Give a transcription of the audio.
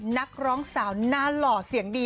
นักร้องสาวหน้าหล่อเสียงดี